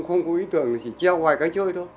không có ý tưởng thì chỉ treo ngoài cái chơi thôi